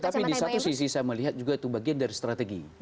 tetapi di satu sisi saya melihat juga itu bagian dari strategi